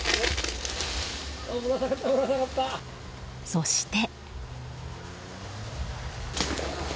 そして。